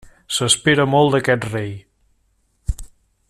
S'espera molt d'aquest rei.